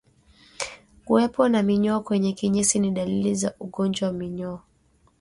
Kuwepo na minyoo kwenye kinyesi ni dalili za ugonjwa wa minyoo